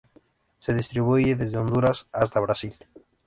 Se distribuye desde Honduras hasta Brasil.